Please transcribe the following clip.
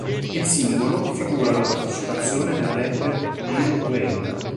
Il singolo figura la partecipazione del rapper Lil Wayne.